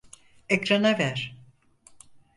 Ekrana ver.